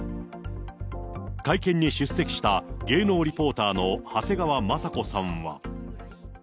会見に出席した芸能リポーターの長谷川まさ子さんは。